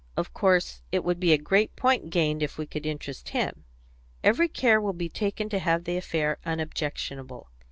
"Of course. It would be a great point gained if we could interest him. Every care will be taken to have the affair unobjectionable.